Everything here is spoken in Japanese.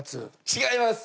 違います。